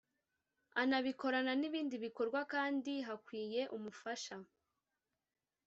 Anabikorana n’ibindi bikorwa kandi hakwiye umufasha